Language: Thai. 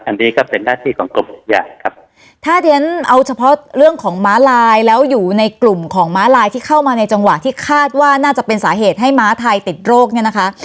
อันนี้ก็เป็นหน้าที่ของกรมอุทยานครับถ้าเดี๋ยวฉันเอาเฉพาะเรื่องของม้าลายแล้วอยู่ในกลุ่มของม้าลายที่เข้ามาในจังหวะที่คาดว่าน่าจะเป็นสาเหตุให้ม้าไทยติดโรคเนี่ยนะคะ